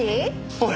おい！